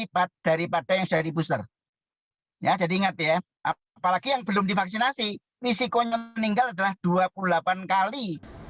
apapun subvarian yang belum divaksinasi risikonya meninggal adalah dua puluh delapan kali